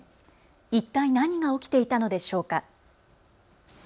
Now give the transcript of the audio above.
一体、何が起きていたのでしょうか。